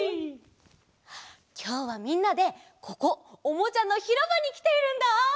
きょうはみんなでここおもちゃのひろばにきているんだ！